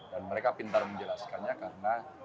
dan mereka pintar menjelaskannya karena